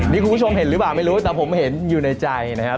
นี่คุณผู้ชมเห็นหรือเปล่าไม่รู้แต่ผมเห็นอยู่ในใจนะครับ